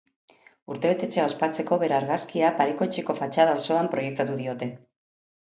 Urtebetetzea ospatzeko bere argazkia pareko etxeko fatxada osoan proiektatu diote.